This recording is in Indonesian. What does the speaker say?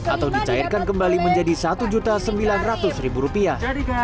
atau dicairkan kembali menjadi satu sembilan ratus rupiah